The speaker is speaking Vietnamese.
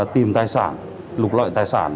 tìm tài sản lục loại tài sản